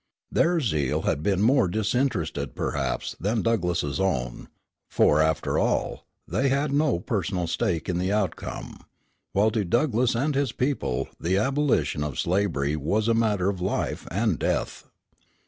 Their zeal had been more disinterested, perhaps, than Douglass's own; for, after all, they had no personal stake in the outcome, while to Douglass and his people the abolition of slavery was a matter of life and death.